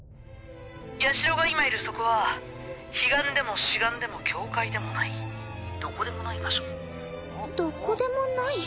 ヤシロが今いるそこは彼岸でも此岸でも境界でもないどこでもない場所どこでもない？